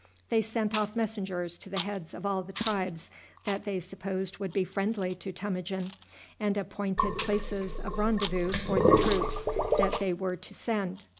They sent off messengers to the heads of all the tribes that they supposed would be friendly to Temujin, and appointed places of rendezvous for the troops that they were to send.